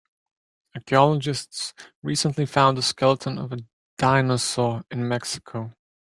Archaeologists recently found the skeleton of a dinosaur in Mexico.